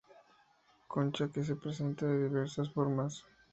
Concha que se presenta de diversas formas.